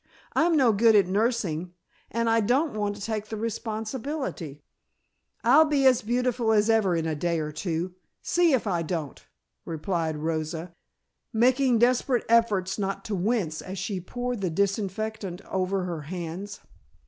I'm no good at nursing and I don't want to take the responsibility " "I'll be as beautiful as ever in a day or two see if I don't," replied Rosa, making desperate efforts not to wince as she poured the disinfectant over her hands.